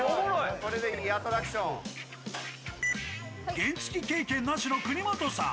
原付経験なしの国本さん